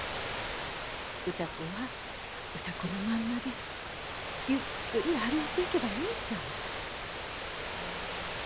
歌子は歌子のまんまでゆっくり歩いていけばいいさ。